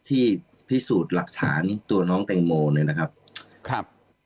ที่พิสูจน์หลักฐานตัวน้องเต็งโมเนี่ยนะครับ